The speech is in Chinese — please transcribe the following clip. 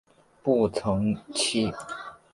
步曾槭